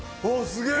すっげえ！